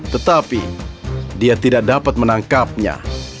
tetapi dia tidak dapat menangkapnya